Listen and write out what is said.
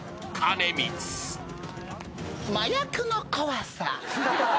麻薬の怖さ。